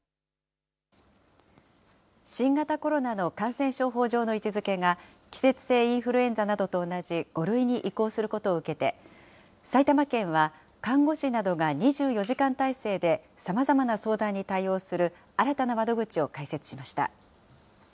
新型コロナの感染症法上の位置づけが、季節性インフルエンザなどと同じ５類に移行することを受けて、埼玉県は看護師などが２４時間態勢でさまざまな相談に対応する新たな窓口を開設しました。